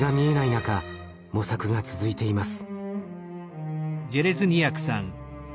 中模索が続いています。